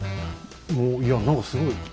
もういや何かすごい。